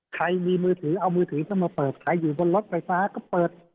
ใครเอามือถือมาเปิดใครไปบนรถไฟฟ้าก็เปิด